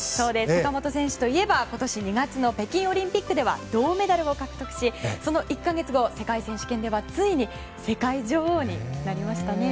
坂本選手といえば今年２月の北京オリンピックでは銅メダルを獲得しその１か月後、世界選手権ではついに世界女王になりましたね。